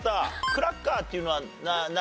クラッカーっていうのは何？